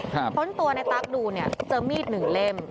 เพราะตัวในตั๊กดูเนี่ยเจอมีด๑เล่ม